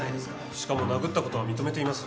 しかも殴った事は認めています。